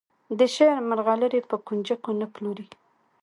د شعر مرغلرې په کونجکو نه پلوري.